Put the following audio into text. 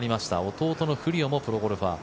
弟のフリオもプロゴルファー。